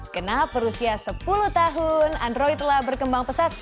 kena berusia sepuluh tahun android telah berkembang pesat